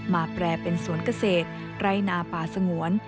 แปลเป็นสวนเกษตรไร่นาป่าสงวน